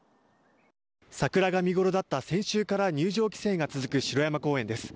桜が見ごろだった先週から入場規制が続く城山公園です。